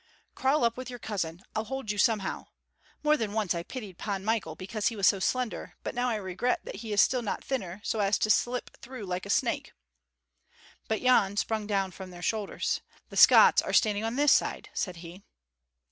"Crawl up with your cousin; I'll hold you somehow. More than once I pitied Pan Michael because he was so slender; but now I regret that he is not still thinner, so as to slip through like a snake." But Yan sprang down from their shoulders. "The Scots are standing on this side!" said he.